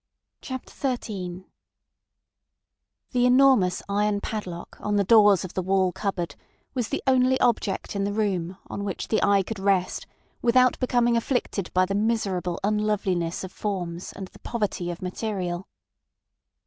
CHAPTER XIII The enormous iron padlock on the doors of the wall cupboard was the only object in the room on which the eye could rest without becoming afflicted by the miserable unloveliness of forms and the poverty of material.